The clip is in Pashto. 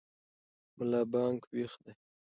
ملا بانګ ویښ دی.